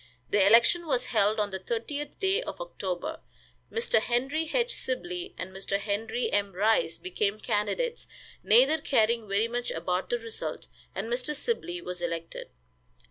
The election was held on the thirtieth day of October. Mr. Henry H. Sibley and Mr. Henry M. Rice became candidates, neither caring very much about the result, and Mr. Sibley was elected.